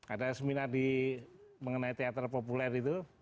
ada seminar mengenai teater populer itu